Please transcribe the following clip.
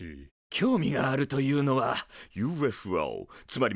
興味があるというのはＵＦＯつまり未確認飛行物体？